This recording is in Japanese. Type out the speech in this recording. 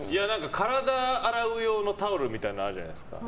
体洗う用のタオルみたいなのあるじゃないですか。